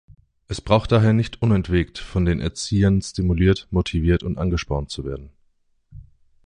Es braucht daher nicht unentwegt von den Erziehern stimuliert, motiviert und angespornt werden.